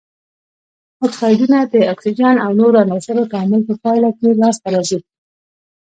اکسایدونه د اکسیجن او نورو عناصرو تعامل په پایله کې لاس ته راځي.